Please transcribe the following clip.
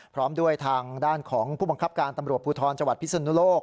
พร้อมด้วยทางด้านของผู้บังคับการตำรวจภูทรจังหวัดพิศนุโลก